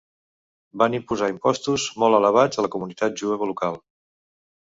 Van imposar impostos molt elevats a la comunitat jueva local.